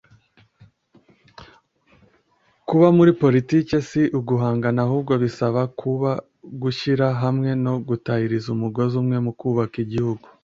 kuba muri politiki si uguhangana, ahubwo bisaba kuba gushyira hamwe no gutahiriza umugozi umwe mu kubaka igihugu.